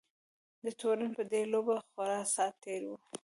د تورن په دې لوبه خورا ساعت تېر وو.